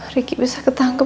riki bisa ketangkep